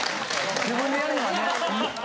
自分でやるのがね。